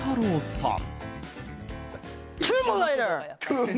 さん。